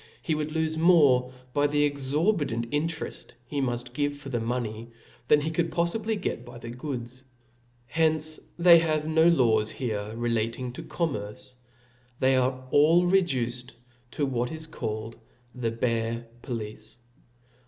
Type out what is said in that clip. ^^^^5> ^^ would lofe more by the exorbitant inte reft •he muft give for money, than he could poffibly get by the goods. Hence they have no laws here relating, to commerce, they are all reduced to what is called the bare police.